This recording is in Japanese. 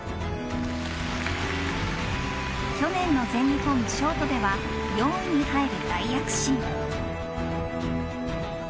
去年の全日本ショートでは４位に入る大躍進。